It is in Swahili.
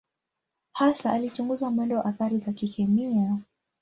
Hasa alichunguza mwendo wa athari za kikemia.